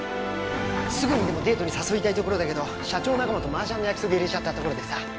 すぐにでもデートに誘いたいところだけど社長仲間とマージャンの約束入れちゃったところでさ。